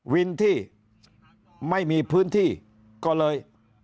วินที่ไม่มีพื้นที่ก็เลย